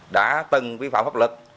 đã từng vi phạm pháp luật